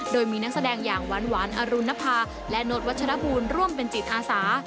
โดยมีนักแสดงอย่างหวานอรุณภาและโน๊ตวัชรบูลร่วมเป็นจิตอาสา